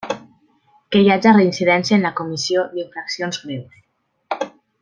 Que hi haja reincidència en la comissió d'infraccions greus.